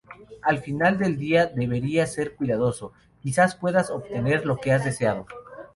Al final del día, deberías ser cuidadoso: Quizás puedas obtener lo que has deseado.